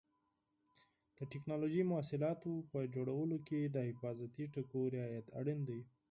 د ټېکنالوجۍ محصولاتو په تولید کې د حفاظتي ټکو رعایت اړین دی.